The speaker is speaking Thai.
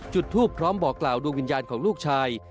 จุดทูปพร้อมบอกกล่าวดวงวิญญาณของลูกชาย